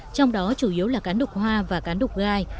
trong đó chủ yếu là cá nục hoa và cá nục gai